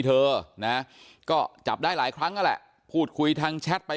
เธอนะก็จับได้หลายครั้งนั่นแหละพูดคุยทางแชทไป